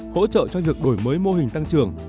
hỗ trợ cho việc đổi mới mô hình tăng trưởng